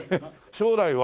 将来は？